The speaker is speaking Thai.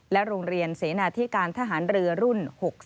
โรงเรียนเสนาธิการทหารเรือรุ่น๖๐